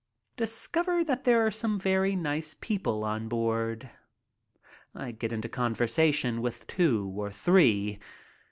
Discover that there are some very nice people on board. I get into conversation with two or three.